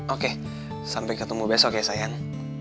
oke sampai ketemu besok ya sayang